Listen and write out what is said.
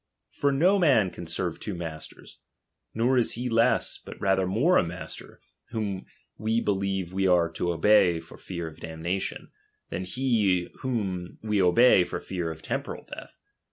For no man can serve two masters ; nor is he less, but rather more a master, whom we believe we are to obey for fear of damnation, than he whom we obey for fear of temporal death.